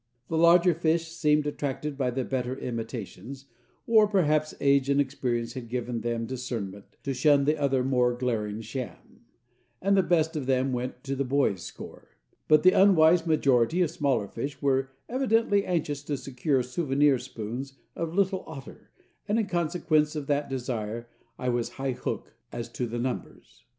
The larger fish seemed attracted by the better imitation, or perhaps age and experience had given them discernment to shun the other more glaring sham, and the best of them went to the boy's score; but the unwise majority of smaller fish were evidently anxious to secure souvenir spoons of Little Otter, and in consequence of that desire I was "high hook" as to numbers.